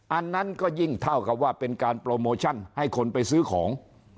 อันนั้นก็ยิ่งเท่ากับว่าเป็นการโปรโมชั่นให้คนไปซื้อของ